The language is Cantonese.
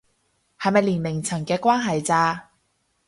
係咪年齡層嘅關係咋